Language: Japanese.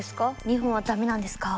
日本はダメなんですか？